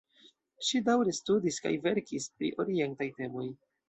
Ŝi daŭre studis kaj verkis pri orientaj temoj.